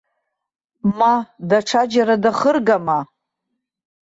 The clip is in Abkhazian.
Ма даҽаџьара дахыргама?